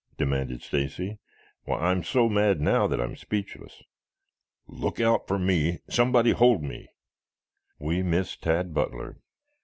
demanded Stacy. "Why, I'm so mad now that I'm speechless. Look out for me. Somebody hold me!" "We miss Tad Butler.